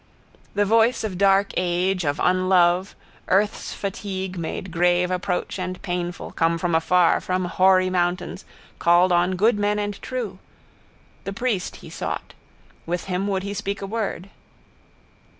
The voice of dark age, of unlove, earth's fatigue made grave approach and painful, come from afar, from hoary mountains, called on good men and true. The priest he sought. With him would he speak a word.